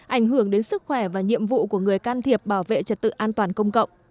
ảnh hưởng đến sức khỏe và nhiệm vụ của người can thiệp bảo vệ trật tự an toàn công cộng